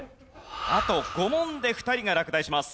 あと５問で２人が落第します。